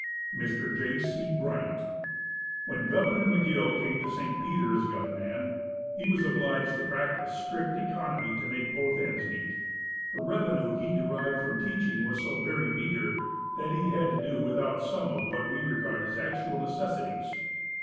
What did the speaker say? Mr. J. C. Bryant. When Governor McGill, came to St. Peter as a young man, he was obliged to practice strict economy to make both ends meet. The revenue he derived from teaching was so very meager, that he had to do without some of what we regard as actual necessities.